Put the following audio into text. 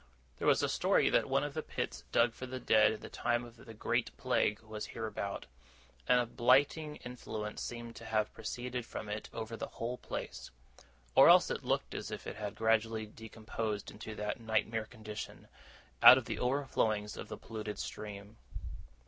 There was a story that one of the pits dug for the dead in the time of the Great Plague was hereabout; and a blighting influence seemed to have proceeded from it over the whole place. Or else it looked as if it had gradually decomposed into that nightmare condition, out of the overflowings of the polluted stream.